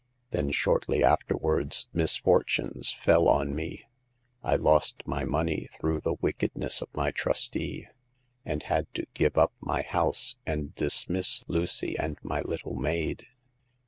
Then shortly afterwards misfortunes fell on me. I lost my money through the wickedness of my trustee, and had to give up my house and dismiss Lucy and my little maid.